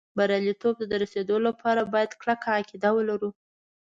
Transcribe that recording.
بریالېتوب ته د رسېدو لپاره باید کلکه عقیده ولرو